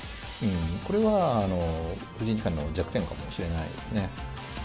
これは藤井二冠の弱点かもしれないですね。